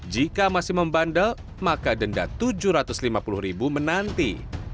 jika masih membandel maka denda rp tujuh ratus lima puluh menanti